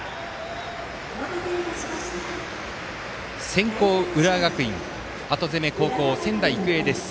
先攻、浦和学院後攻め、仙台育英です。